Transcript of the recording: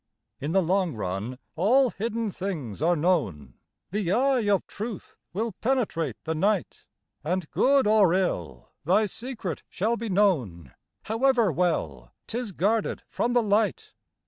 In the long run all hidden things are known, The eye of truth will penetrate the night, And good or ill, thy secret shall be known, However well 'tis guarded from the light.